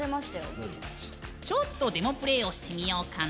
ちょっとデモプレイをしてみようかな。